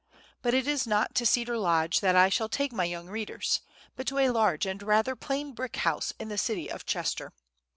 But it is not to Cedar Lodge that I shall take my young readers, but to a large and rather plain brick house in the city of Chester.